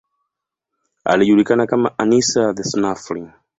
Alijulikana kama Anica the Snuffling.